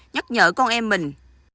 nhờ con em mình